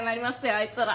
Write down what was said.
あいつら。